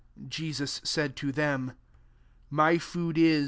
34 Jw said to them>. " My food is